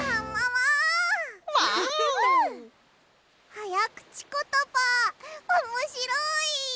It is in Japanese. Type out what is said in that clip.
はやくちことばおもしろい！